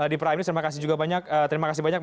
di prime news terima kasih juga banyak